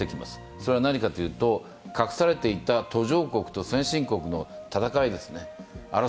それは何かというと隠されていた途上国と先進国の戦い、争いですね。